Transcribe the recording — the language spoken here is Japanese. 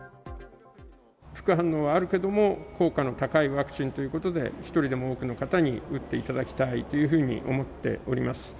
副反応はあるけれども、効果の高いワクチンということで、１人でも多くの方に打っていただきたいというふうに思っております。